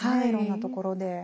いろんなところで。